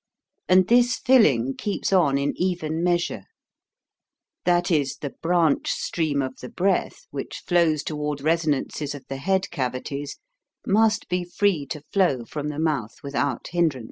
And this filling keeps on in even measure. That is, the branch stream of the breath, which flows toward resonances of the head cavities, must be free to flow from the mouth without hindrance.